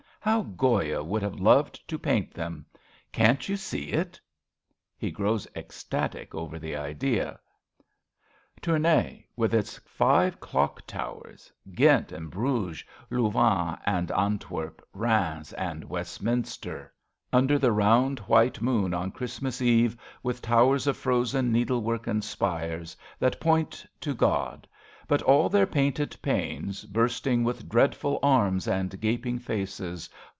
How Goya would have loved to paint them ! Can't you see it ? {He groivs ecstatic over the idea.) Tournai with its five clock towers, Ghent, and Bruges, Louvain and Antwerp, Rheims and Westminster, 13 RADA Under the round white moon, on Christ mas Eve, With towers of frozen needlework, and spires That point to God ; but all their painted panes Bursting with dreadful arms and gap ing faces.